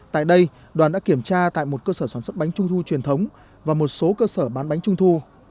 tại đây đoàn đã kiểm tra tại một cơ sở sản xuất bánh trung thu truyền thống và một số cơ sở bán bánh trung thu